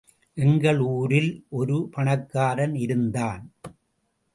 எங்கள் ஊரில் ஒரு பணக்காரன் இருந்தான்.